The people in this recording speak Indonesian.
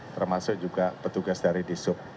termasuk juga petugas dari disub